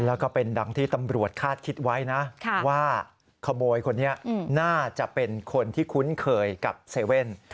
แล้วก็เป็นดังที่ตำรวจคาดคิดไว้นะว่าขโมยคนนี้น่าจะเป็นคนที่คุ้นเคยกับเซเว่น